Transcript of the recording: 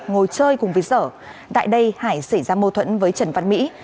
ngồi chơi cùng với sở tại đây hải xảy ra mâu thuẫn với trần văn mỹ